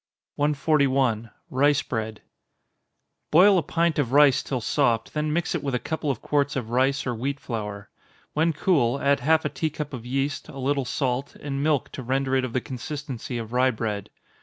141. Rice Bread. Boil a pint of rice till soft then mix it with a couple of quarts of rice or wheat flour. When cool, add half a tea cup of yeast, a little salt, and milk to render it of the consistency of rye bread.